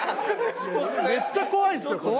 めっちゃ怖いですよこれ。